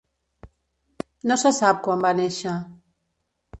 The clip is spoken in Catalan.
No se sap quan va néixer.